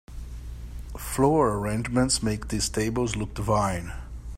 Floral arrangements make these tables look divine.